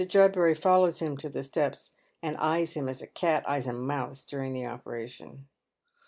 Judbury follows him to the steps, and eyes him as a cat eyes a mouse during tlie operation.